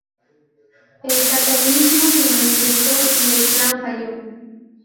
El cataclismo se manifestó y el plan falló.